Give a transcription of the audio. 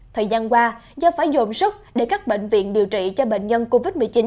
thời gian qua do phải dồn sức để các bệnh viện điều trị cho bệnh nhân covid một mươi chín